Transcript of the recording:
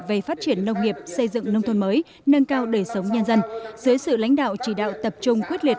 về phát triển nông nghiệp xây dựng nông thôn mới nâng cao đời sống nhân dân dưới sự lãnh đạo chỉ đạo tập trung quyết liệt